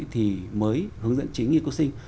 thì mới hướng dẫn chính nghiên cứu sinh